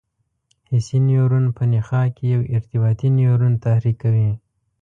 حسي نیورون په نخاع کې یو ارتباطي نیورون تحریکوي.